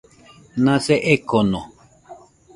Nase ekono.